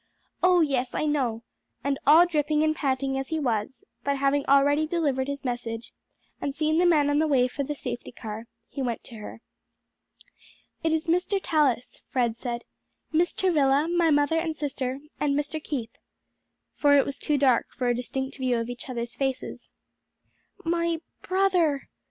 "Oh, yes! I know!" and all dripping and panting as he was, but having already delivered his message, and seen the men on the way for the safety car, he went to her. "It is Mr. Tallis," Fred said; "Miss Travilla, my mother and sister, and Mr. Keith," for it was too dark for a distinct view of each other's faces. "My brother?"